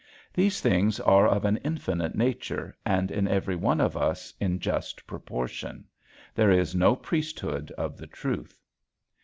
These things are of an infinite nature, and in every one of us in just proportion. There is no priesthood of the truth.